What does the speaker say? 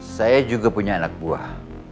saya juga punya anak buah